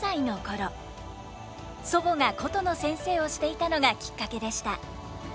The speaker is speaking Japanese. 祖母が箏の先生をしていたのがきっかけでした。